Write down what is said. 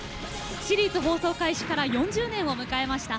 シリーズ放送開始から４０年を迎えました。